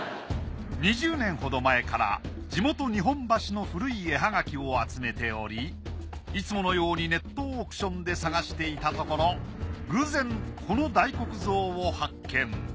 ２０年ほど前から地元日本橋の古い絵葉書を集めておりいつものようにネットオークションで探していたところ偶然この大黒像を発見。